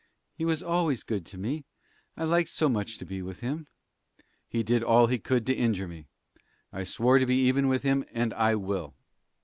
"He was always good to me. I liked so much to be with him." "He did all he could to injure me. I swore to be even with him, and I will!"